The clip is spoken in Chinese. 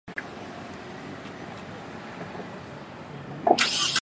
但事情远未结束。